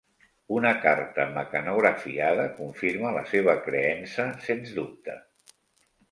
Una carta mecanografiada confirma la seva creença sens dubte.